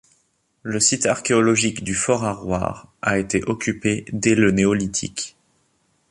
Le site archéologique du Fort-Harrouard a été occupé dès le Néolithique.